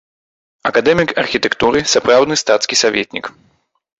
Акадэмік архітэктуры, сапраўдны стацкі саветнік.